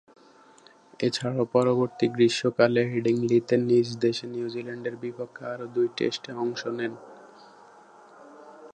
এছাড়াও, পরবর্তী গ্রীষ্মকালে হেডিংলিতে নিজ দেশে নিউজিল্যান্ডের বিপক্ষে আরও দুই টেস্টে অংশ নেন।